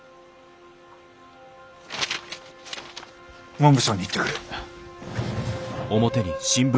文部省に行ってくる。